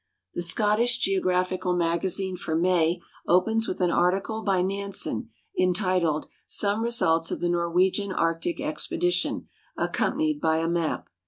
The Scottish Geographical Magazine for May opens with an article by Nansen, entitled "Some Results of the. Norwegian Arctic Expedition," accompanied by a map.